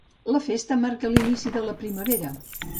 La festa marca l'inici de la primavera.